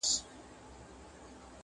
له غلیمه سو بېغمه کار یې جوړ سو!